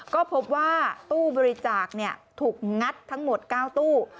ก็พบว่าตู้บริจาคถูกงัดทั้งหมด๙ตู้